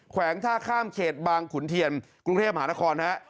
วงท่าข้ามเขตบางขุนเทียนกรุงเทพมหานครฮะ